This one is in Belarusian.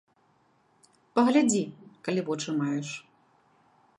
Паглядзі, калі вочы маеш.